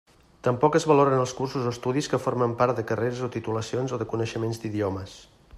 Tampoc es valoren els cursos o estudis que formen part de carreres o titulacions o de coneixements d'idiomes.